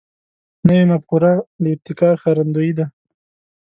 نوې مفکوره د ابتکار ښکارندوی ده